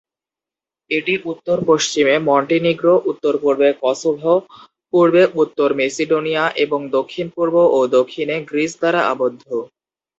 এটি উত্তর পশ্চিমে মন্টিনিগ্রো, উত্তর-পূর্বে কসোভো, পূর্বে উত্তর মেসিডোনিয়া এবং দক্ষিণ পূর্ব ও দক্ষিণে গ্রিস দ্বারা আবদ্ধ।